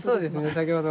先ほど。